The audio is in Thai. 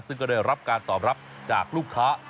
ซึ่งก็ได้รับการตอบรับจากลูกค้า